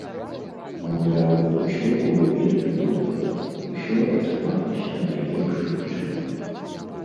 Маўляў, усё было вельмі добра, усё атрымалася найлепшым чынам.